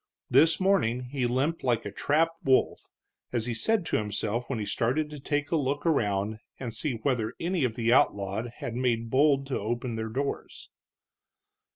This morning he limped like a trapped wolf, as he said to himself when he started to take a look around and see whether any of the outlawed had made bold to open their doors.